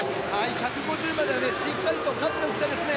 １５０まではしっかりと勝っておきたいですね。